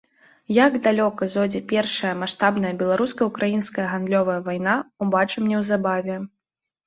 Як далёка зойдзе першая маштабная беларуска-украінская гандлёвая вайна, убачым неўзабаве.